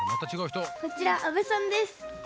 こちら阿部さんです。